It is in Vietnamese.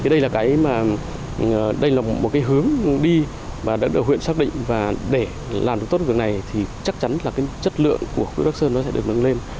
đây là một hướng đi và đã được huyện xác định và để làm được tốt hướng này thì chắc chắn là chất lượng của quýt bắc sơn sẽ được nâng lên